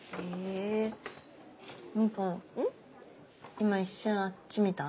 今一瞬あっち見た？